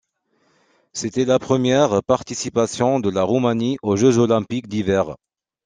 C'était la première participation de la Roumanie aux Jeux olympiques d'hiver.